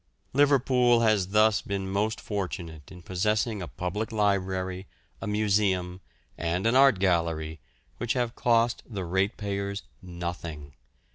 Liverpool has thus been most fortunate in possessing a public library, a museum, and an art gallery, which have cost the ratepayers nothing.